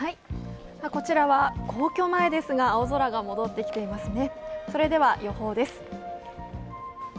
こちらは皇居前ですが青空が戻ってきていますね。